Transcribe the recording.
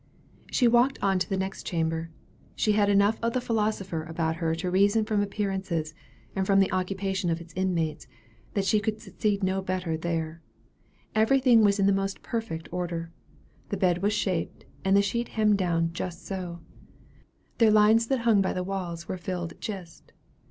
She walked on to the next chamber. She had enough of the philosopher about her to reason from appearances, and from the occupation of its inmates, that she could succeed no better there. Every thing was in the most perfect order. The bed was shaped, and the sheet hemmed down just so. Their lines that hung by the walls were filled "jist."